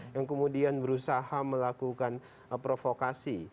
yang kemudian berusaha melakukan provokasi